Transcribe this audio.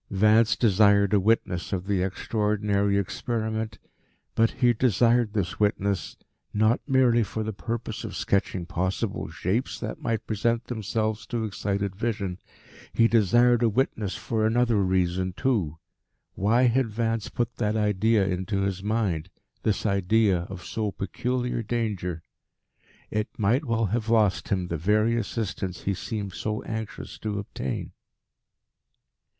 Vance desired a witness of the extraordinary experiment, but he desired this witness, not merely for the purpose of sketching possible shapes that might present themselves to excited vision. He desired a witness for another reason too. Why had Vance put that idea into his mind, this idea of so peculiar danger? It might well have lost him the very assistance he seemed so anxious to obtain.